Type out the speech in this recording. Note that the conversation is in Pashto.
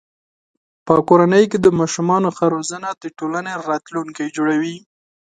په کورنۍ کې د ماشومانو ښه روزنه د ټولنې راتلونکی جوړوي.